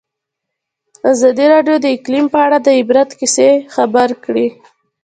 ازادي راډیو د اقلیم په اړه د عبرت کیسې خبر کړي.